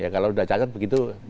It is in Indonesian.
kalau sudah cakap begitu